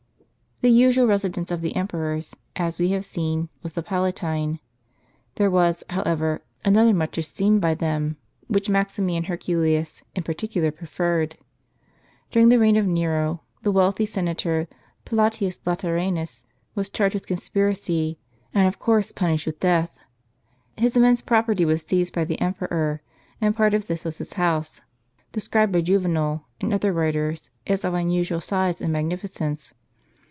The usual residence of the emperors, as we have seen, was the Palatine. There was, however, another much esteemed by them, which Maximian Herculeus in particular preferred. During the reign of Nero, the wealthy senator, Plautius Late ranus, was charged with conspiracy, and of course punished with death. His immense property was seized by the em peror, and part of this was his house, described by Juvenal, and other writers, as of unusual size and magnificence.